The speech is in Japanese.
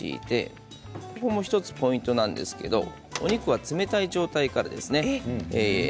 もう１つポイントなんですけどお肉は冷たい状態からですね。